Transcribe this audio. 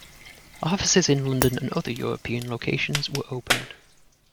Offices in London and other European locations were opened.